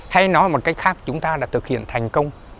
hay nói một cách khác chúng ta đã thực hiện thành công